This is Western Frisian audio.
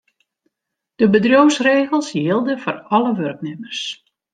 De bedriuwsregels jilde foar alle wurknimmers.